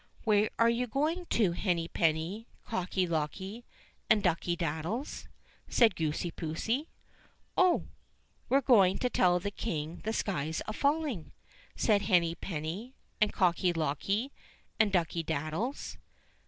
"Where are you going to, Henny penny, Cocky locky, and Ducky daddies?" said Goosey poosey. "Oh! we're going to tell the King the sky's a falling," said Henny penny and Cocky locky and Ducky daddies.